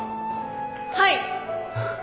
はい！